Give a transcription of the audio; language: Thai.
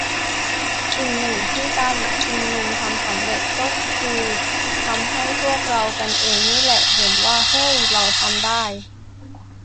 สิ่งนึงที่การชุมนุมทำสำเร็จ ก็คือทำให้พวกเรากันเองนี่แหละ เห็นว่า "เฮ้ย เราทำได้"